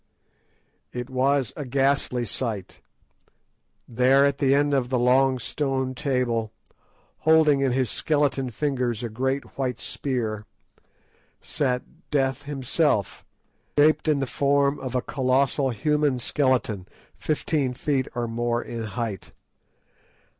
It was a ghastly sight. There at the end of the long stone table, holding in his skeleton fingers a great white spear, sat Death himself, shaped in the form of a colossal human skeleton, fifteen feet or more in height.